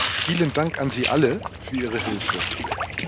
Vielen Dank an Sie alle für Ihre Hilfe.